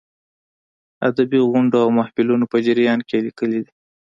ادبي غونډو او محفلونو په جریان کې یې لیکلې دي.